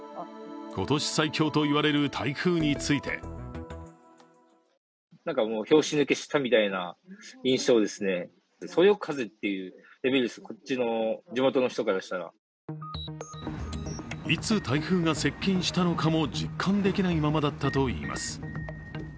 今年最強と言われる台風についていつ台風が接近したのかも実感できないままだったといいます。